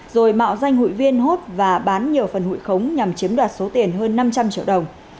rồi mạo danh hụi viên hốt và bán nhiều phần hụi khống nhằm chiếm đoạt số tiền hơn năm trăm linh triệu đồng